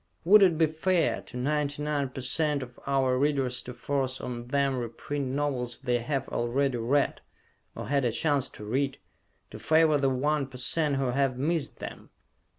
Would it be fair to 99% of our Readers to force on them reprint novels they have already read, or had a chance to read, to favor the 1% who have missed them?